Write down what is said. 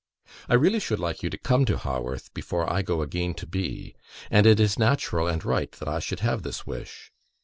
... I really should like you to come to Haworth, before I again go to B . And it is natural and right that I should have this wish.